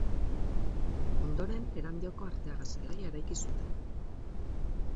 Ondoren Erandioko Arteaga zelaia eraiki zuten.